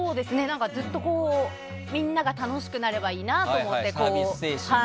ずっとみんなが楽しくなればいいなと思って。